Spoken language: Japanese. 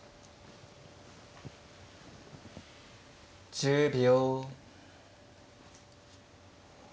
１０秒。